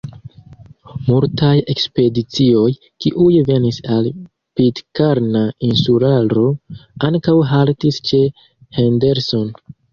Multaj ekspedicioj, kiuj venis al Pitkarna Insularo, ankaŭ haltis ĉe Henderson.